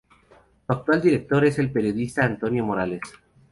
Su actual director es el periodista Antonio Morales.